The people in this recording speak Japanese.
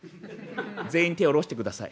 「全員手下ろしてください。